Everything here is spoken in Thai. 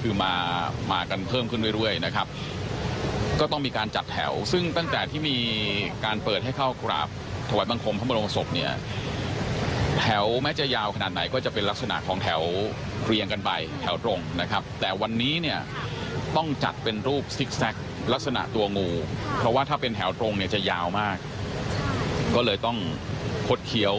คือมามากันเพิ่มขึ้นเรื่อยนะครับก็ต้องมีการจัดแถวซึ่งตั้งแต่ที่มีการเปิดให้เข้ากราบถวายบังคมพระบรมศพเนี่ยแถวแม้จะยาวขนาดไหนก็จะเป็นลักษณะของแถวเรียงกันไปแถวตรงนะครับแต่วันนี้เนี่ยต้องจัดเป็นรูปซิกแซคลักษณะตัวงูเพราะว่าถ้าเป็นแถวตรงเนี่ยจะยาวมากก็เลยต้องคดเขียว